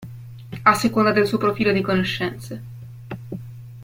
A seconda del suo profilo di conoscenze.